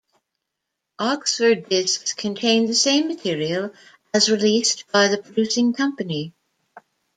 Oxford discs contain the same material as released by the producing company.